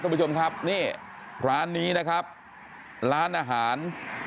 คุณผู้ชมครับนี่ร้านนี้นะครับร้านอาหาร